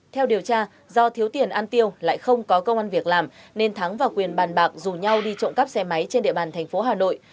theo điều tra do thiếu tiền ăn tiêu lại không có công an việc làm nên thắng và quyền bàn bạc rủ nhau đi trộm cắp xe máy trên địa bàn thành phố hà nội